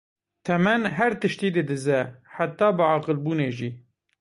Temen her tiştî didize, heta biaqilbûnê jî!